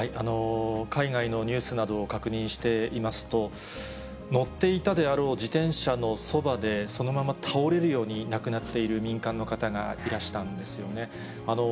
海外のニュースなどを確認していますと、乗っていたであろう自転車のそばで、そのまま倒れるように亡くなっている民間の方がいらしたんですよね。